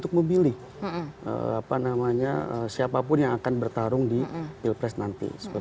apa itu yang pertama adalah muhammadiyah adalah organisasi yang tidak terkait secara organisasi dengan partai politik manapun atau organisasi mana pun